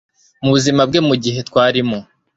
mubuzima bwe Mugihe twarimo